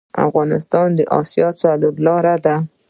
افغانستان د اسیا څلور لارې ده